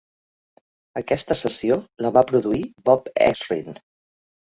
Aquesta sessió la va produir Bob Ezrin.